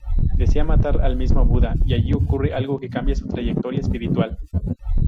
Desea matar al mismo Buda y allí ocurre algo que cambia su trayectoria espiritual.